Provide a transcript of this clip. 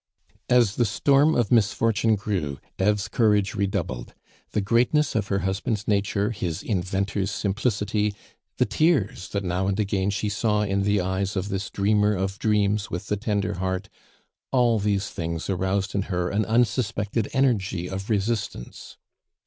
As the storm of misfortune grew, Eve's courage redoubled; the greatness of her husband's nature, his inventor's simplicity, the tears that now and again she saw in the eyes of this dreamer of dreams with the tender heart, all these things aroused in her an unsuspected energy of resistance.